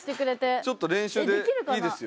ちょっと練習でいいですよ。